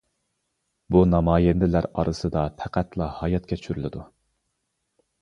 بۇ نامايەندىلەر ئارىسىدا پەقەتلا ھايات كەچۈرۈلىدۇ.